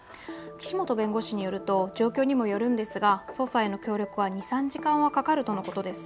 岸本弁護士によると状況にもよるが捜査への協力は２、３時間はかかるとのことです。